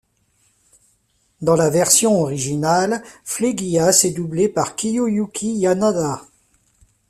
Dans la version originale, Phlegyas est doublé par Kiyoyuki Yanada.